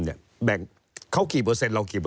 แบ่งเขากี่เปอร์เซนติดต่อคาวของเรา